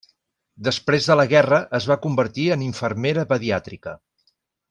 Després de la guerra, es va convertir en infermera pediàtrica.